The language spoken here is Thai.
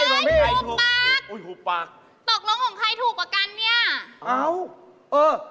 ตกลงของใครถูกกว่ากันเนี่ย